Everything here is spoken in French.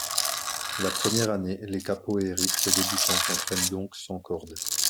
La première année, les capoeiristes débutants s’entraînent donc sans corde.